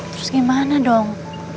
terus gimana dong